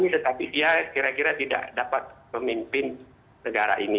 tetapi dia kira kira tidak dapat pemimpin negara ini